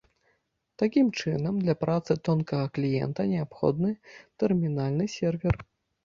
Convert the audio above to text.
Такім чынам, для працы тонкага кліента неабходны тэрмінальны сервер.